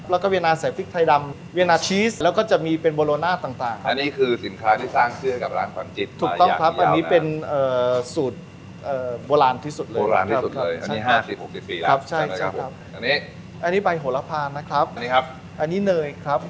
อันนี้ห้าสิบหกสิบปีแล้วอันนี้ใบโหระพานะครับอันนี้เนยครับ